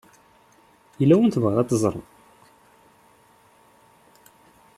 Yella win i tebɣiḍ ad teẓṛeḍ?